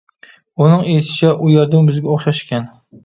ئۇنىڭ ئېيتىشىچە، ئۇ يەردىمۇ بىزگە ئوخشاش ئىكەن.